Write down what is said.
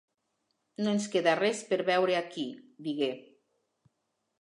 "No ens queda res per veure aquí", digué.